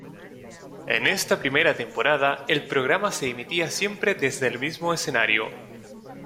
En esta primera temporada el programa se emitía siempre desde el mismo escenario.